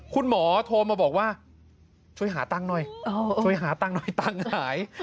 คุณหมอโทรมาบอกว่าช่วยหาตังค์หน่อยช่วยหาตังค์หน่อยตังค์หาย